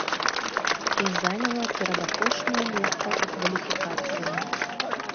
І заняла перадапошняе месца ў кваліфікацыі.